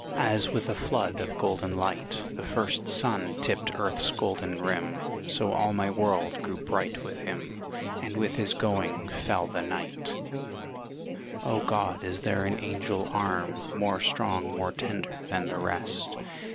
As with a flood of golden light The first sun tipped earth's golden rim So all my world grew bright with him And with his going fell the night O God, is there an angel arm More strong, more tender than the rest?